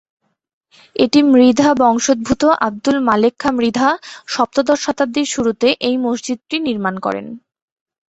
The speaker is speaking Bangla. এটি মৃধা বংশোদ্ভূত আব্দুল মালেক খা মৃধা সপ্তদশ শতাব্দীর শুরুতে এই মসজিদটি নির্মাণ করেন।